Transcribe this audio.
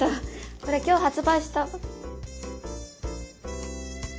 これ今日発売した。